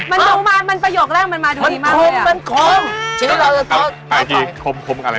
มันดูมาประโยคแรกมันมาดูดีมากเลย